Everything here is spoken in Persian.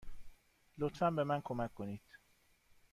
لطفا به من کمک کنید.